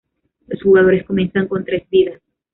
Los jugadores comienzan con tres vidas.